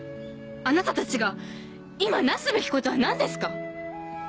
あなたたちが今なすべきことは何ですか⁉